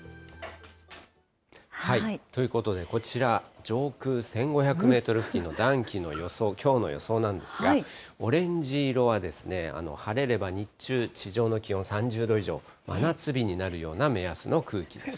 ということでこちら、上空１５００メートル付近の暖気の予想、きょうの予想なんですが、オレンジ色は晴れれば日中、地上の気温３０度以上、真夏日になるような目安の空気です。